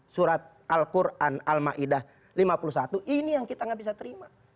surat al quran al ma'idah lima puluh satu ini yang kita nggak bisa terima